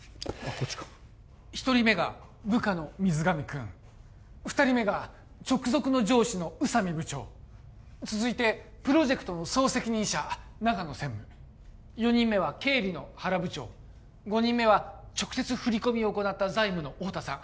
こっちか一人目が部下の水上くん二人目が直属の上司の宇佐美部長続いてプロジェクトの総責任者長野専務４人目は経理の原部長５人目は直接振り込みを行った財務の太田さん